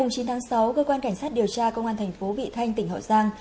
ngày chín tháng sáu cơ quan cảnh sát điều tra công an thành phố vị thanh tỉnh hậu giang